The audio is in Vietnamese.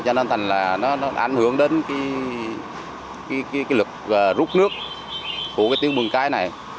cho nên là nó đã ảnh hưởng đến cái lực rút nước của cái tiêu bừng cãi này